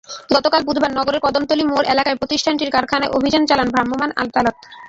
গতকাল বুধবার নগরের কদমতলী মোড় এলাকায় প্রতিষ্ঠানটির কারখানায় অভিযান চালান ভ্রাম্যমাণ আদালত।